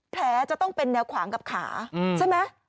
จะต้องเป็นแนวขวางกับขาใช่ไหม